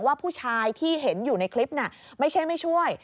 ว่าผู้ชายที่เห็นอยู่ในคลิปน่ะไม่ใช่ไม่ช่วย